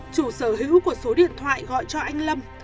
chủ sở hữu của số điện thoại gọi cho anh lâm